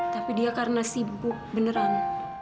tapi dia karena sibuk beneran